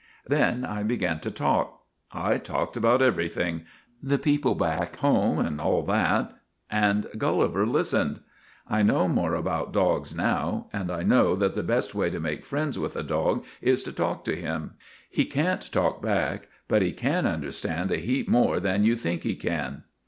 " Then I began to talk. I talked about every thing the people back home and all that and Gulliver listened. I know more about dogs now, and I know that the best way to make friends with a dog is to talk to him. He can't talk back, but he can understand a heap more than you think he can.